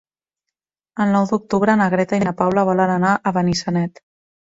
El nou d'octubre na Greta i na Paula volen anar a Benissanet.